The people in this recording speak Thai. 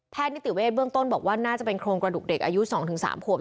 นิติเวทเบื้องต้นบอกว่าน่าจะเป็นโครงกระดูกเด็กอายุ๒๓ขวบ